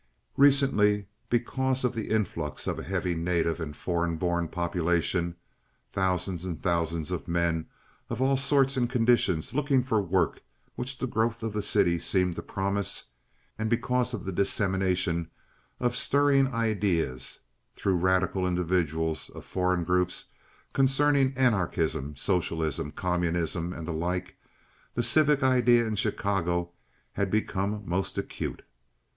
Recently, because of the influx of a heavy native and foreign born population (thousands and thousands of men of all sorts and conditions looking for the work which the growth of the city seemed to promise), and because of the dissemination of stirring ideas through radical individuals of foreign groups concerning anarchism, socialism, communism, and the like, the civic idea in Chicago had become most acute.